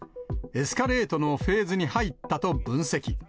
エスカレートのフェーズに入ったと分析。